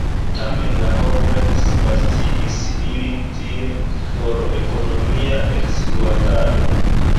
Tamen la homoj disvastigis ilin tie por ekonomia ekspluatado.